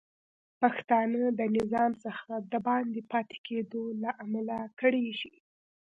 پښتانه د نظام څخه د باندې پاتې کیدو له امله کړیږي